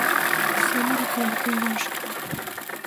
Самырык-влакым вашке...